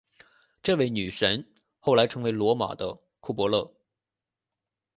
这位女神后来成为罗马的库柏勒。